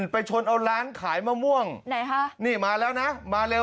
ไปชนเอาร้านขายมะม่วงไหนคะนี่มาแล้วนะมาเร็ว